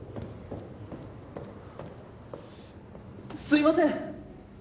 すいません！